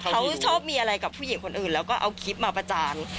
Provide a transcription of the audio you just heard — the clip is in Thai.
เขาชอบมีอะไรกับผู้หญิงคนอื่นแล้วก็เอาคลิปมาประจาน